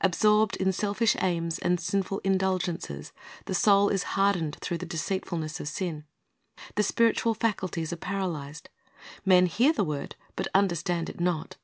Absorbed in selfish aims and sinful indulgences, the soul is " hardened through the deceitfulness of sin." ^ The spiritual faculties are paralyzed. Men hear the word, but understand it not.